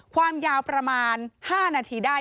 ความยาวประมาณ๕นาทีได้